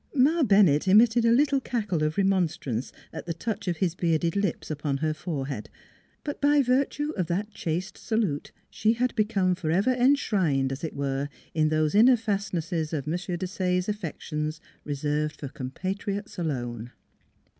Ma Bennett emitted a little cackle of remon strance at the touch of his bearded lips upon her forehead. But by virtue of that chaste salute she had become forever enshrined, as it were, in those inner fastnesses of M. Desaye's affections reserved for compatriots alone.